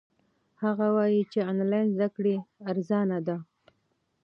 هغه وایي چې آنلاین زده کړه ارزانه ده.